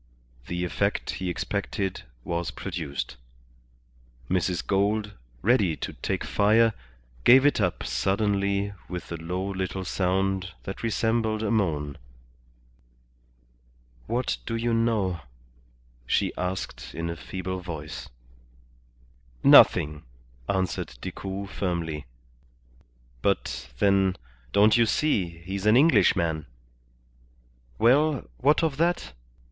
The effect he expected was produced. Mrs. Gould, ready to take fire, gave it up suddenly with a low little sound that resembled a moan. "What do you know?" she asked in a feeble voice. "Nothing," answered Decoud, firmly. "But, then, don't you see, he's an Englishman?" "Well, what of that?"